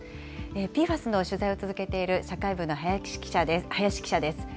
ＰＦＡＳの取材を続けている社会部の林記者です。